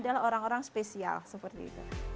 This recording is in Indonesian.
adalah orang orang spesial seperti itu